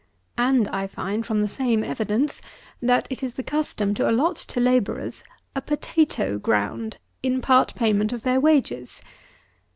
And I find, from the same evidence, that it is the custom to allot to labourers "a potatoe ground" in part payment of their wages!